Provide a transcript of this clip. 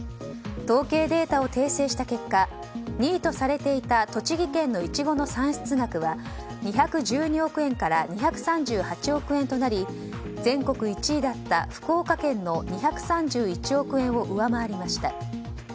統計データを訂正した結果２位とされていた栃木県のイチゴの産出額は２１２億円から２３８億円となり全国１位だった福岡県の２３１億円を上回りました。